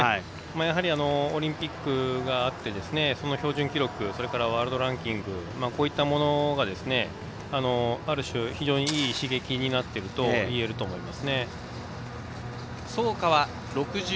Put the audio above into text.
やはりオリンピックがあってその標準記録、それからワールドランキング、こういったものがある種いい刺激になっていると言えると思います。